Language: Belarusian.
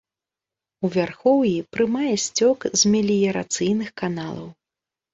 У вярхоўі прымае сцёк з меліярацыйных каналаў.